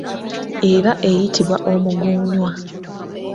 Eba eyitibwa omuguunwa.